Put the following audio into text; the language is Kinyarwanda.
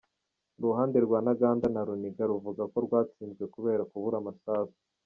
Uruhande rwa Ntaganda na Runiga ruvuga ko rwatsinzwe kubera kubura amasasu.